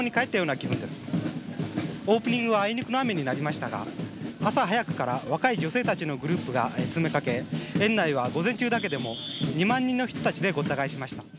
オープニングはあいにくの雨になりましたが朝早くから若い女性たちのグループが詰めかけ園内は午前中だけでも２万人の人たちでごった返しました。